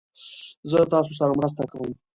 زه تاسو سره مرسته کوم